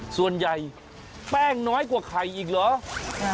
ส่วนใหญ่แป้งน้อยกว่าไข่อีกเหรอ